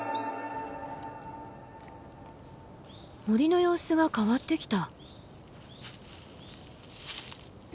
森の様子が変わってきた。